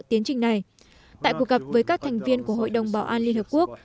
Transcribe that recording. tiến trình này tại cuộc gặp với các thành viên của hội đồng bảo an liên hợp quốc